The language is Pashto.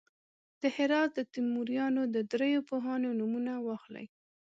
د هرات د تیموریانو د دریو پوهانو نومونه واخلئ.